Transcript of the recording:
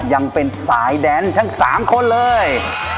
ยังเป็นสายแดนทั้ง๓คนเลย